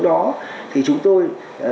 đó thì chúng tôi